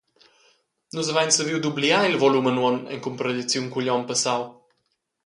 «Nus havein saviu dubliar il volumen uonn en cumparegliaziun cugl onn passau.